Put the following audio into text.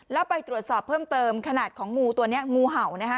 แล้วไปตรวจสอบเพิ่มเติมขนาดของงูตัวนี้งูเห่านะคะ